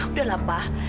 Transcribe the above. udah lah pak